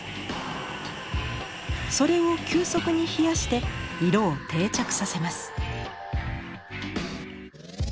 それを急速に冷やして色を定着させます。